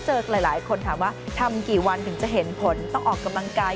หลายคนถามว่าทำกี่วันถึงจะเห็นผลต้องออกกำลังกาย